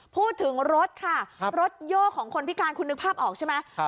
พูดถึงรถค่ะรถโย่ของคนพิการคุณนึกภาพออกใช่ไหม